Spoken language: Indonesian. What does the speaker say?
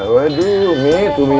waduh umi umi